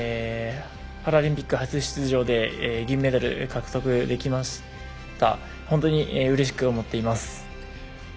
パラリンピック初出場で銀メダル獲得できまして本当にうれしく思っています。